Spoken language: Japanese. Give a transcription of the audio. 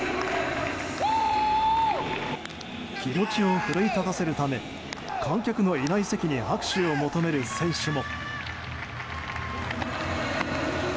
気持ちを奮い立たせるため観客のいない席に拍手を求める選手も。